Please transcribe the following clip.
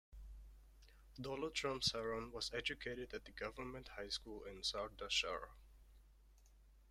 Daulatram Saran was educated at the government high school in Sardarshahar.